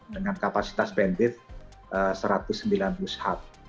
dengan kapasitas bandwidth